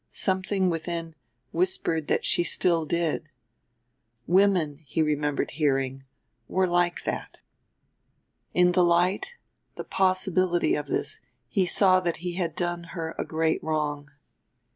something within whispered that she still did. Women, he remembered hearing, were like that. In the light, the possibility, of this he saw that he had done her a great wrong.